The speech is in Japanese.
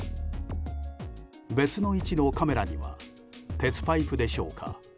別の位置のカメラには鉄パイプでしょうか？